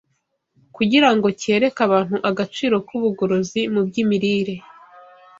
kugira ngo cyereke abantu agaciro k’ubugorozi mu by’imirire.